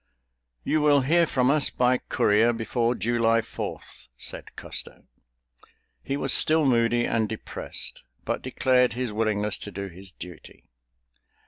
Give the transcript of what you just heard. "You will hear from us by courier before July Fourth," said Custer. He was still moody and depressed, but declared his willingness to do his duty.